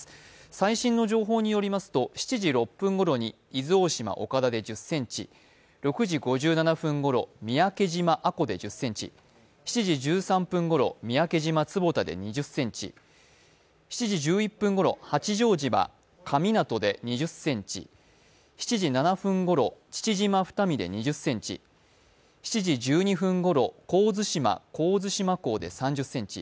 最新の情報によりますと７時６分ごろに伊豆大島・岡田で１０ｃｍ、６時５７分ごろ、三宅島で１０ｃｍ、７時１３分ごろ、三宅島坪田で１３ｃｍ、７時１１分ごろ八丈島で２０ｃｍ７時７分頃、父島・ふたみで２０ｃｍ、７時１２分、神津島・神津島港で３０ｃｍ。